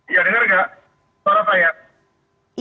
ya dengar nggak suara saya